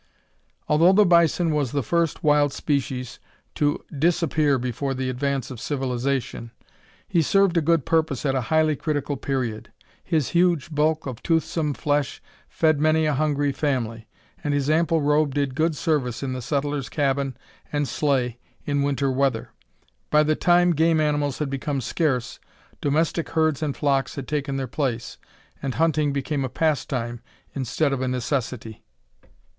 Although the bison was the first wild species to disappear before the advance of civilization, he served a good purpose at a highly critical period. His huge bulk of toothsome flesh fed many a hungry family, and his ample robe did good service in the settler's cabin and sleigh in winter weather. By the time game animals had become scarce, domestic herds and flocks had taken their place, and hunting became a pastime instead of a necessity.